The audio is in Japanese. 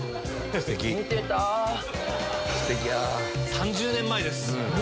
３０年前です。